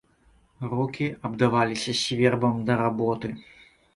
Рукі абдаваліся свербам да работы.